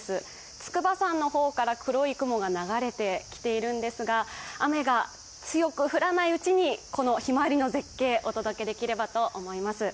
筑波山の方から黒い雲が流れてきているんですが、雨が強く降らないうちにひまわりの絶景お届けできればと思います。